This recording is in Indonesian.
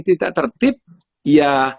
tidak tertip ya